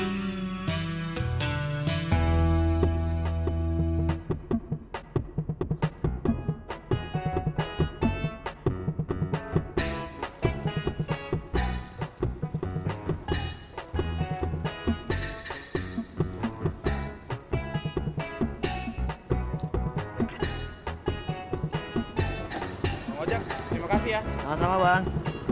mau aja terima kasih ya sama sama bang